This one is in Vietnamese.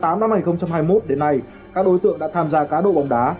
từ tháng tám năm hai nghìn hai mươi một đến nay các đối tượng đã tham gia cá đậu bóng đá